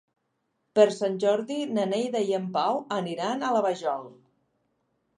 Per Sant Jordi na Neida i en Pau aniran a la Vajol.